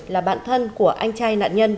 là bạn thân của anh trai nạn nhân